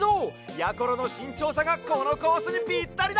やころのしんちょうさがこのコースにピッタリだ！